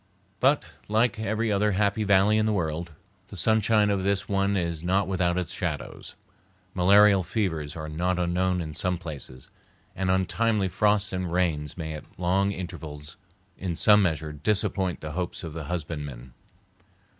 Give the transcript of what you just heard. But, like every other happy valley in the world, the sunshine of this one is not without its shadows. Malarial fevers are not unknown in some places, and untimely frosts and rains may at long intervals in some measure disappoint the hopes of the husbandman.